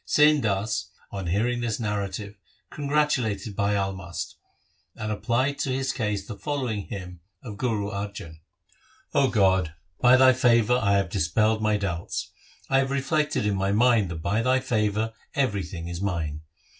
' Sain Das on hearing this narrative congratulated Bhai Almast, and applied to his case the following hymn of Guru Arjan :— 0 God, by Thy favour I have dispelled my doubts ; 1 have reflected in my mind that by Thy favour every thing is mine.